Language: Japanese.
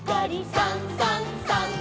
「さんさんさん」